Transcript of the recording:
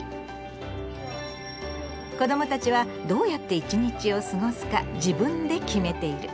子どもたちはどうやって一日を過ごすか自分で決めている。